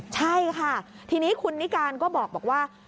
ใช่ค่ะทีนี้คุณนิการก็บอกว่า